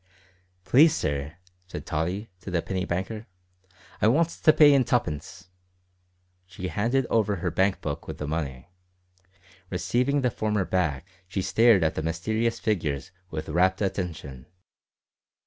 "Please, sir," said Tottie to the penny banker, "I wants to pay in tuppence." She handed over her bank book with the money. Receiving the former back, she stared at the mysterious figures with rapt attention.